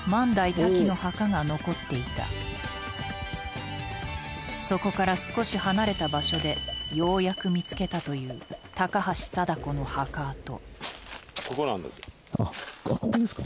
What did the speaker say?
多喜の墓が残っていたそこから少し離れた場所でようやく見つけたというここですか？